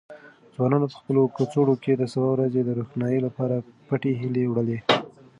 ځوانانو په خپلو کڅوړو کې د سبا ورځې د روښنايي لپاره پټې هیلې وړلې.